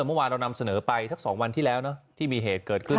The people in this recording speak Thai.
เมื่อวานเรานำเสนอไปสัก๒วันที่แล้วเนอะที่มีเหตุเกิดขึ้น